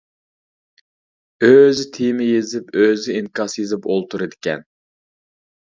ئۆزى تېما يېزىپ ئۆزى ئىنكاس يېزىپ ئولتۇرىدىكەن.